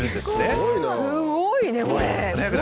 すごいね！